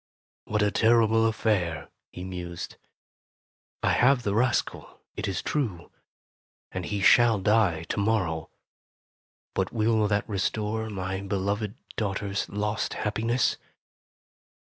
"What a terrible affair!" he mused. "I have the rascal, it is true, and he shall die to morrow. But will that restore my be loved daughter's lost happiness?"